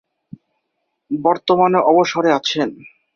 বর্তমানে অবসরে আছেন।